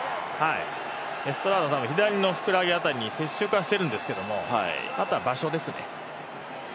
エストラーダ多分左のふくらはぎ辺りに接触はしてるんですけど、あとは場所ですね。